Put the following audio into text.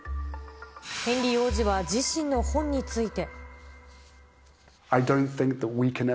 ヘンリー王子は自身の本について。